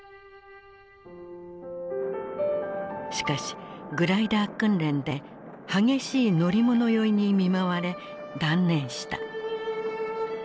しかしグライダー訓練で激しい乗り物酔いに見舞われ断念した。